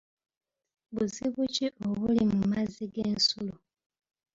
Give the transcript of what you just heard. Buzibu ki obuli mu mazzi g'ensulo?